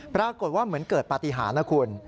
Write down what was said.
ปรากฏว่าเหมือนเกิดปฏิหารนะคุณ